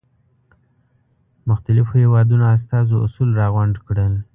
مختلفو هېوادونو استازو اصول را غونډ کړل.